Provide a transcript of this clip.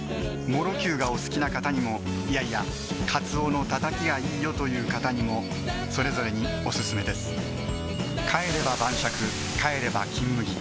もろきゅうがお好きな方にもいやいやカツオのたたきがいいよという方にもそれぞれにオススメです帰れば晩酌帰れば「金麦」